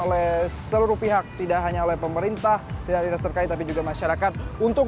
oleh seluruh pihak tidak hanya oleh pemerintah tidak dinas terkait tapi juga masyarakat untuk